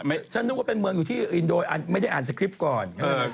ฉันนึกว่าเป็นเมืองอยู่ที่อินโดไม่ได้อ่านสคริปต์ก่อน